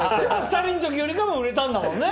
２人の時よりか売れたんだもんね。